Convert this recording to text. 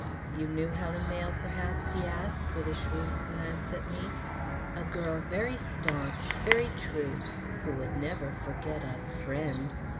You knew Helen Mayle, perhaps?" he asked, with a shrewd glance at me. "A girl very staunch, very true, who would never forget a friend."